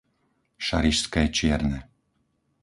Šarišské Čierne